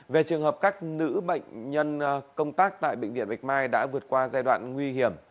về trường hợp các nữ bệnh nhân công tác tại bệnh viện bạch mai đã vượt qua giai đoạn nguy hiểm